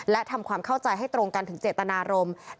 และทำความเข้าใจให้ตรงกันถึงเจตนารมณ์